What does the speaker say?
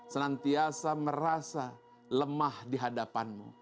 senantiasa merasa lemah dihadapanmu